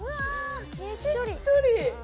しっとり！